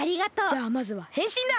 じゃあまずはへんしんだ！